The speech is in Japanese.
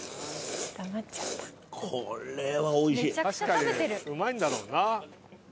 確かにうまいんだろうな。